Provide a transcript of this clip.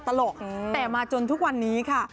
ตลกแต่มาจนทุกวันนี้ค่ะ